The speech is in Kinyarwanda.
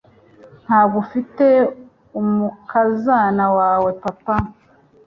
Ntabwo ufite umukazana wawe papa